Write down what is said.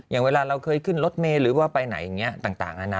อย่างเวลาเราเคยขึ้นรถเมย์หรือว่าไปไหนอย่างนี้ต่างนะนะ